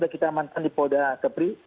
kita amankan di polda kepri